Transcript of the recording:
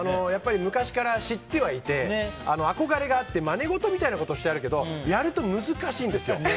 昔から知ってはいて憧れがあってまね事みたいなことをしたことはあるけどやると難しいんですよ。